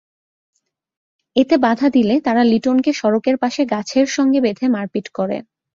এতে বাধা দিলে তারা লিটনকে সড়কের পাশে গাছের সঙ্গে বেঁধে মারপিট করে।